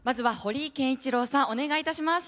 お願いします。